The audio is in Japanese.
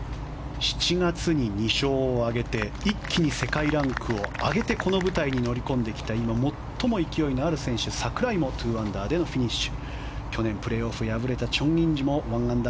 ７月に２勝を挙げて一気に世界ランクを上げてこの舞台に乗り込んでいた今、最も勢いのある選手櫻井も２アンダーでのフィニッシュ。